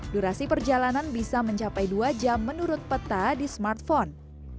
durasi perjalanan bisa mencapai dua jam menurut peta di smartphone